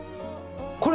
これ